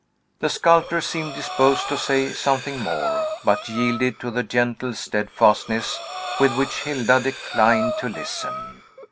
The sculptor seemed disposed to say something more, but yielded to the gentle steadfastness with which Hilda declined to listen.